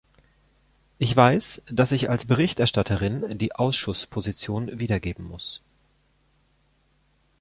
Ich weiß, dass ich als Berichterstatterin die Ausschussposition wiedergeben muss.